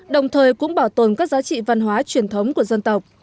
đồng thời cũng bảo tồn các giá trị văn hóa truyền thống của dân tộc